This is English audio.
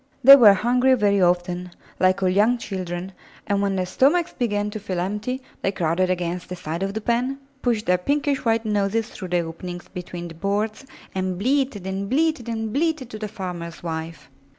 They were hungry very often, like all young children, and when their stomachs began to feel empty, they crowded against the side of the pen, pushed their pinkish white noses through the openings between the boards, and bleated and bleated and bleated to the farmer's wife.